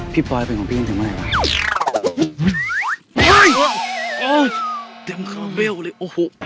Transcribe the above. พี่ปลอยเป็นของพี่ยังถึงเมื่อไหร่วะ